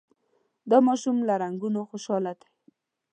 دا ماشوم له رنګونو خوشحاله دی.